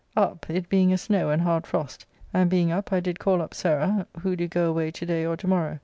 Up, it being a snow and hard frost, and being up I did call up Sarah, who do go away to day or to morrow.